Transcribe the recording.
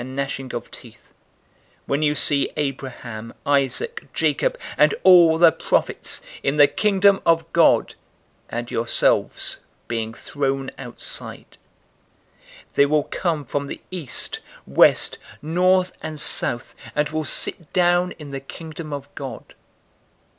013:028 There will be weeping and gnashing of teeth, when you see Abraham, Isaac, Jacob, and all the prophets, in the Kingdom of God, and yourselves being thrown outside. 013:029 They will come from the east, west, north, and south, and will sit down in the Kingdom of God.